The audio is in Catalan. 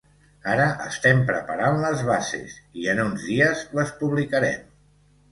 Ara estem preparant les bases i en uns dies les publicarem.